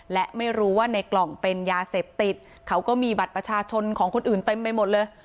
และไม่รู้ว่าในกล่องเป็นยาเสพติดเขาก็มีบัตรประชาชนของคนอื่นเต็มไปหมดเลย